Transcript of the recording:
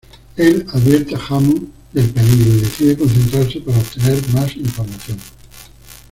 Él advierte a Hammond del peligro y decide concentrarse para obtener más información.